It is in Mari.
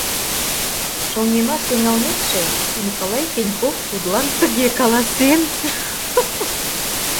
Шоҥгемаш тӱҥалмекше, Николай Пеньков тудлан тыге каласен: